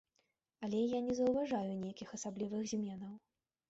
Але я не заўважаю нейкіх асаблівых зменаў.